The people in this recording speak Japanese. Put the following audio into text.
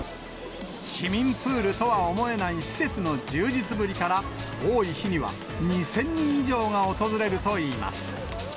市民プールとは思えない施設の充実ぶりから、多い日には２０００人以上が訪れるといいます。